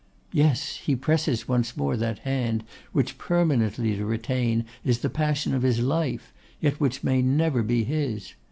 Yes! he presses once more that hand which permanently to retain is the passion of his life, yet which may never be his!